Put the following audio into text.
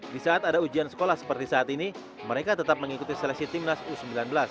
di saat ada ujian sekolah seperti saat ini mereka tetap mengikuti seleksi timnas u sembilan belas